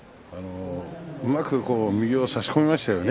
うまく右を差し込みましたよね